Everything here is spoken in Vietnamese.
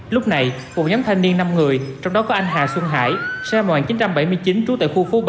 lúc này một nhóm thanh niên năm người trong đó có anh hà xuân hải xe ngoạn chín trăm bảy mươi chín trú tại khu phố ba